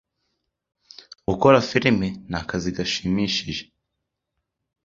Gukora firime nakazi gashimishije.